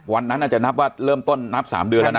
วันนั้นอาจจะนับว่าเริ่มต้นนับ๓เดือนแล้วนะ